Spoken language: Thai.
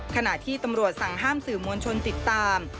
ขณะที่ตำรวจสั่งห้ามสื่อมวลชนติดตาม